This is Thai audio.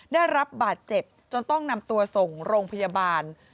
ได้รับบาดเจ็บจนต้องนำตัวส่งโรงพยาบาล